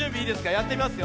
やってみますよ。